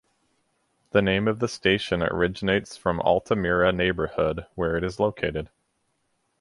The name of the station originates from Altamira neighbourhood where it is located.